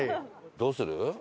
どうする？